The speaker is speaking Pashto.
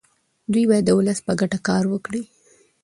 دوی باید د ولس په ګټه کار وکړي.